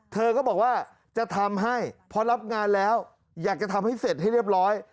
เธอก็บอกว่าจะทำให้พอรับงานแล้วอยากจะทำให้เสร็จให้เรียบร้อย